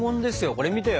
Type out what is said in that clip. これ見てよ。